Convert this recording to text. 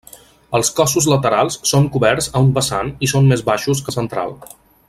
Els cossos laterals són coberts a un vessant i són més baixos que el central.